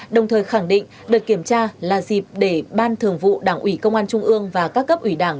đồng thời khẳng định đợt kiểm tra là dịp để ban thường vụ đảng ủy công an trung ương và các cấp ủy đảng